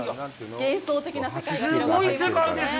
幻想的な世界が広がっています。